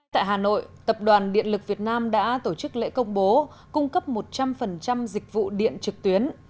tại hà nội tập đoàn điện lực việt nam đã tổ chức lễ công bố cung cấp một trăm linh dịch vụ điện trực tuyến